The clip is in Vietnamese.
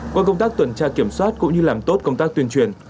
qua công tác tuần tra kiểm soát cũng như làm tốt công tác tuyên truyền